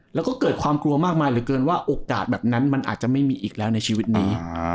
แล้วก็เกิดความกลัวมากมายเหลือเกินว่าโอกาสแบบนั้นมันอาจจะไม่มีอีกแล้วในชีวิตนี้